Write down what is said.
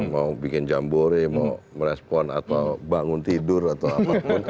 mau bikin jambore mau merespon atau bangun tidur atau apapun